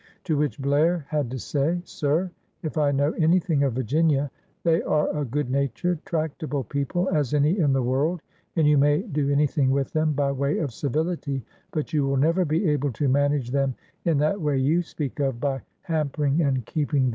To which Blair had to say, "Sir, if I know anything of Virginia, they are a good natured, tractable people as any in the world, and you may do anything with them by way of civility, but you will never be able to manage them in that way you speak of, by ham pering and keeping them imder!"